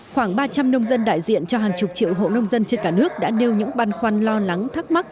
khoảng ba trăm linh nông dân đại diện cho hàng chục triệu hộ nông dân trên cả nước đã nêu những băn khoăn lo lắng thắc mắc